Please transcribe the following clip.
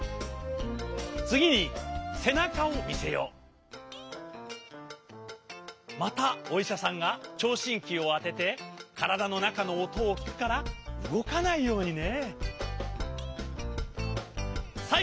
まずそしたらまたおいしゃさんがちょうしんきをあててからだのなかのおとをきくからうごかないようにね。